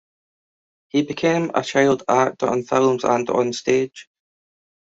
He became a child actor in films and onstage.